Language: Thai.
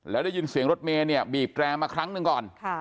แล้วได้ยินเสียงรถเมย์เนี่ยบีบแรมมาครั้งหนึ่งก่อน